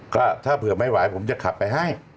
ก็ถ้าเผื่อไม่ไหวผมจะขับไปให้